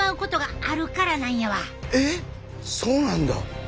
えっそうなんだ！